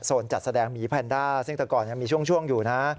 จัดแสดงหมีแพนด้าซึ่งแต่ก่อนยังมีช่วงอยู่นะ